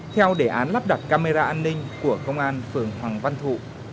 theo đề án lắp đặt camera an ninh của công an phường hoàng văn thụ